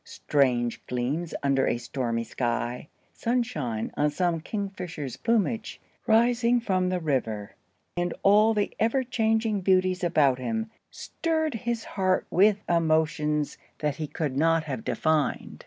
Strange gleams under a stormy sky, sunshine on some kingfisher's plumage rising from the river, and all the ever changing beauties about him, stirred his heart with emotions that he could not have defined.